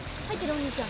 お兄ちゃん。